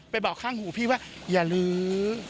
บอกข้างหูพี่ว่าอย่าลื้อ